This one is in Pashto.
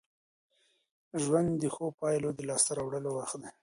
ژوند د ښو پايلو د لاسته راوړلو وخت دی.